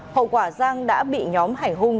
hậu quả giang đã bị nhóm hải hung